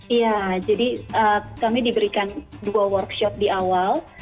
iya jadi kami diberikan dua workshop di awal